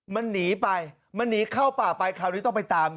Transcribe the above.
มันหนีไปมันหนีเข้าป่าไปคราวนี้ต้องไปตาม